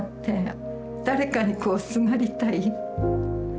誰かにこうすがりたい。